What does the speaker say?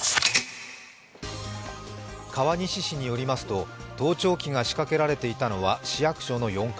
川西市によりますと盗聴器が仕掛けられていたのは市役所の４階。